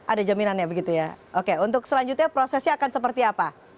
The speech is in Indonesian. ada jaminannya begitu ya oke untuk selanjutnya prosesnya akan seperti apa